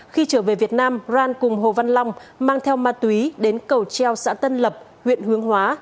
khi trở về việt nam ran cùng hồ văn long mang theo ma túy đến cầu treo xã tân lập huyện hướng hóa